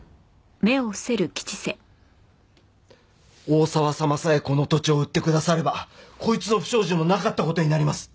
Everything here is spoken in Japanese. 大沢様さえこの土地を売ってくださればこいつの不祥事もなかった事になります。